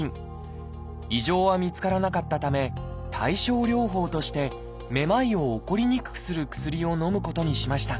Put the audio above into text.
異常は見つからなかったため対症療法としてめまいを起こりにくくする薬をのむことにしました。